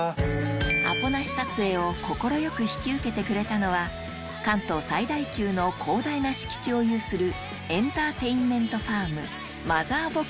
アポなし撮影を快く引き受けてくれたのは関東最大級の広大な敷地を有するエンターテインメントファーム